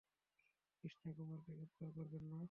কৃষ্ণা কুমারকে গ্রেফতার করবেন না!